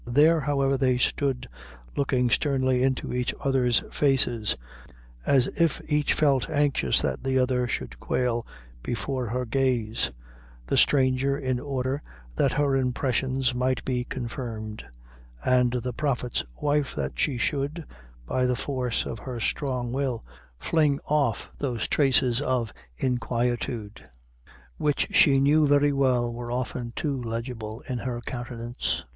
There, however, they stood looking sternly into each others' faces, as if each felt anxious that the other should quail before her gaze the stranger, in order that her impressions might be confirmed, and the prophet's wife, that she should, by the force of her strong will, fling off those traces of inquietude which she knew very well were often too legible in her countenance.